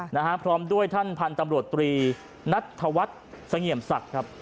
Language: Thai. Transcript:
นะฮะพร้อมด้วยท่านพันธุ์ตำรวจตรีนัทธวัฒน์เสงี่ยมศักดิ์ครับ